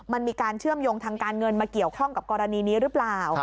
มันมีการเชื่อมโยงทางการเงินมาเกี่ยวข้องกับกรณีนี้หรือเปล่า